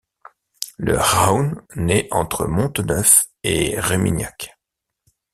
Le Rahun naît entre Monteneuf et Réminiac.